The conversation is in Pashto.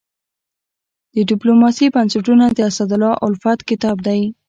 د ډيپلوماسي بنسټونه د اسدالله الفت کتاب دی.